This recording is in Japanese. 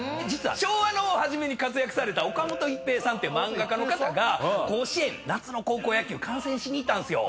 昭和の初めに活躍された岡本一平さんって漫画家の方が甲子園の夏の高校野球を観戦しに行ったんですよ。